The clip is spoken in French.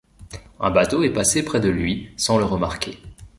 Un bateau est passé près de lui sans le remarquer.